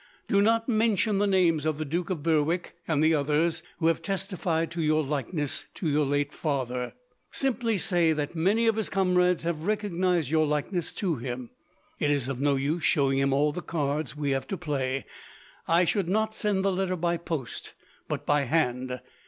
Do not mention the names of the Duke of Berwick and the others, who have testified to your likeness to your late father. Simply say that many of his comrades have recognized your likeness to him. It is of no use showing him all the cards we have to play. I should not send the letter by post, but by hand.